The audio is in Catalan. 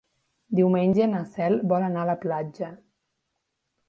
Diumenge na Cel vol anar a la platja.